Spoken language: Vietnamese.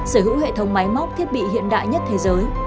sở hữu hệ thống máy móc thiết bị hiện đại nhất thế giới